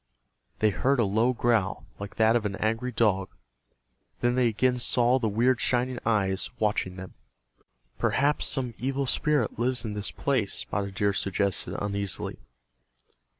They heard a low growl, like that of an angry dog. Then they again saw the weird shining eyes watching them. "Perhaps some Evil Spirit lives in this place," Spotted Deer suggested, uneasily.